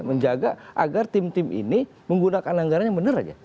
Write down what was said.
menjaga agar tim tim ini menggunakan anggaran yang benar aja